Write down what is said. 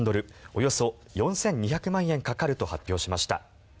およそ４２００万円かかると発表しました。